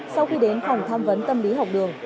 sau khi đến phòng tham vấn tâm lý học đường